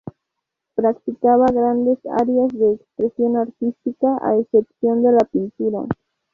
Practicaba grandes áreas de expresión artística, a excepción de la pintura.